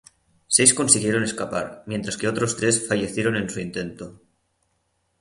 Seis consiguieron escapar, mientras que otros tres fallecieron en su intento.